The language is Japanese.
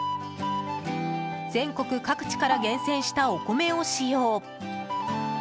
全国各地から厳選したお米を使用。